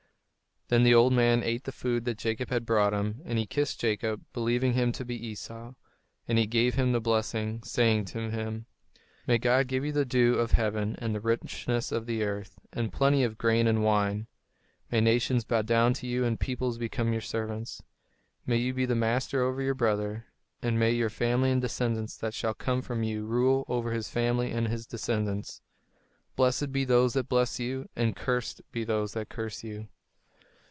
Then the old man ate the food that Jacob had brought to him; and he kissed Jacob, believing him to be Esau; and he gave him the blessing, saying to him: "May God give you the dew of heaven, and the richness of the earth, and plenty of grain and wine. May nations bow down to you and peoples become your servants. May you be the master over your brother, and may your family and descendants that shall come from you rule over his family and his descendants. Blessed be those that bless you, and cursed be those that curse you."